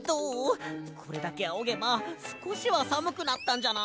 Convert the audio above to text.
これだけあおげばすこしはさむくなったんじゃない？